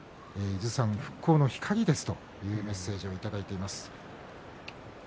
伊豆山復興の光ですというメッセージをいただきました。